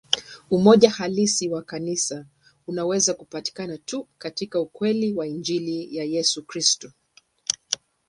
Umoja halisi wa Kanisa unaweza kupatikana tu katika ukweli wa Injili ya Yesu Kristo.